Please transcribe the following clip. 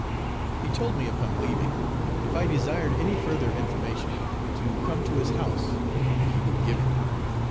He told me upon leaving, if I desired any further information to come to his "house," and he would give it.